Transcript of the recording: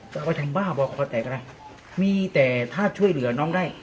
เอาไปทำบ้าบอกคอแตกก็ได้มีแต่ถ้าช่วยเหลือน้องได้